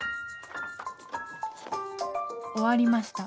終わりました。